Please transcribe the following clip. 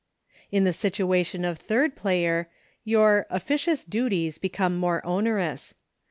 In the situation of third player your " offi cious duties" become more onerous.